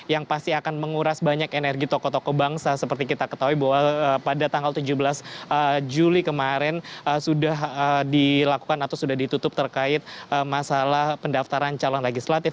yang pasti akan menguras banyak energi tokoh tokoh bangsa seperti kita ketahui bahwa pada tanggal tujuh belas juli kemarin sudah dilakukan atau sudah ditutup terkait masalah pendaftaran calon legislatif